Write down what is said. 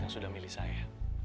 yang sudah milih saya